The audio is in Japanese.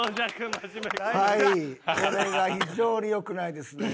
はいこれが非常によくないですね。